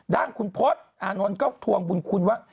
ด้านคุณพศอานนท์ก็ทวงบุญคุณว่า